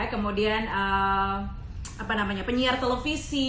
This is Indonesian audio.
kemudian penyiar televisi